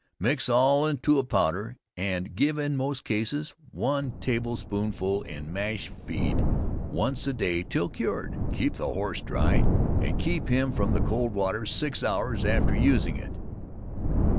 Mix all to a powder and give in the most cases, one table spoonful in mash feed once a day till cured. Keep the horse dry, and keep him from the cold water six hours after using it.